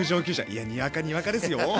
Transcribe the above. いやにわかにわかですよ。